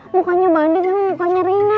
mukanya mbak andin mukanya reina